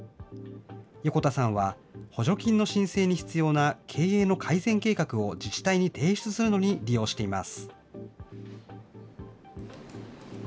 横田さんは補助金の申請に必要な経営の改善計画を自治体に提出するのに利用しています。